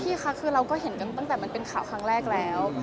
ค่ะคือเราก็เห็นกันตั้งแต่มันเป็นข่าวครั้งแรกแล้ว